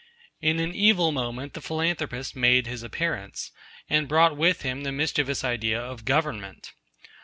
In an evil moment the Philanthropist made his appearance, and brought with him the mischievous idea of Government.